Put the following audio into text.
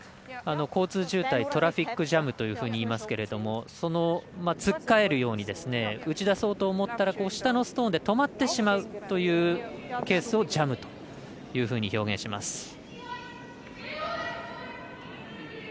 交通渋滞トラフィックジャムというふうにいいますけれどもつっかえるように打ち出そうと思ったら下のストーンで止まってしまうというケースをジャムというふうに表現します。